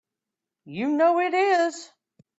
You know it is!